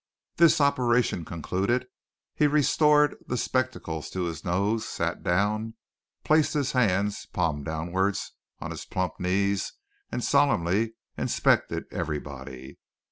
This operation concluded, he restored the spectacles to his nose, sat down, placed his hands, palm downwards, on his plump knees and solemnly inspected everybody.